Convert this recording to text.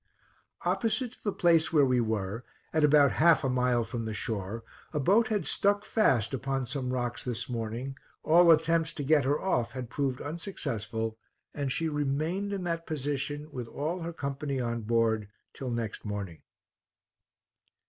Opposite to the place where we were, at about half a mile from the shore, a boat had stuck fast upon some rocks this morning, all attempts to get her off had proved unsuccessful, and she remained in that position, with all her company on board, till next morning.